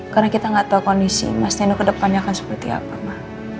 karena kita gak tau kondisi mas nino kedepannya akan seperti apa ma